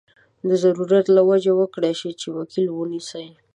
د ضرورت له مخې وکړای شي چې وکیل ونیسي.